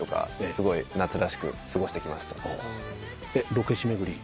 ロケ地巡り。